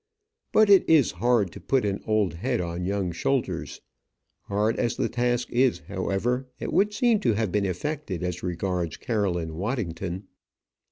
But it is hard to put an old head on young shoulders. Hard as the task is, however, it would seem to have been effected as regards Caroline Waddington.